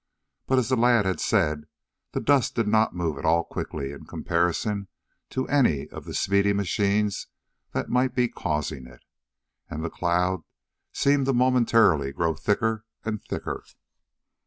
But, as the lad had said, the dust did not move at all quickly in comparison to any of the speedy machines that might be causing it. And the cloud seemed momentarily to grow thicker and thicker.